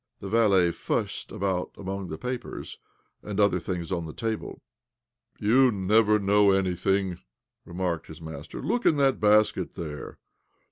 The valet fussed about among the papers and other things on the table. " You never know anything," remarked his master. "Look in that basket there.